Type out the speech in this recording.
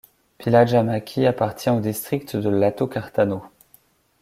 Pihlajamäki appartient au district de Latokartano.